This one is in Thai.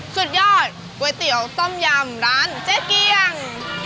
สุดยอดก๋วยเตี๋ยวต้มยำร้านเจ๊เกียง